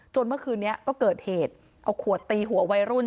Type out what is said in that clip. เมื่อคืนนี้ก็เกิดเหตุเอาขวดตีหัววัยรุ่น